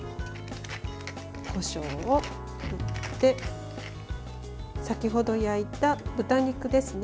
こしょうを振って先ほど焼いた豚肉ですね。